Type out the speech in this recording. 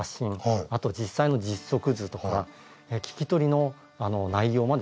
あと実際の実測図とか聞き取りの内容までですね